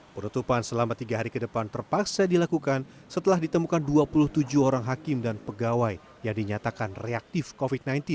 penutupan selama tiga hari ke depan terpaksa dilakukan setelah ditemukan dua puluh tujuh orang hakim dan pegawai yang dinyatakan reaktif covid sembilan belas